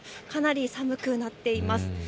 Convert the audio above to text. かなり寒くなっています。